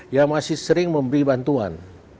yang masih sering memberi bantuan